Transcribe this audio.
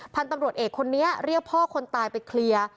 พันธุ์ตำรวจเอกคนนี้เรียกพ่อคนตายไปเคลียร์